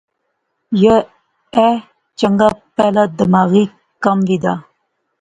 یہ ایہہ چنگا پہلا دماغی کم وی دا